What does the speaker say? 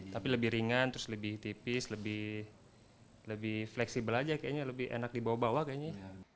tapi lebih ringan lebih tipis lebih fleksibel aja lebih enak dibawa bawa kayaknya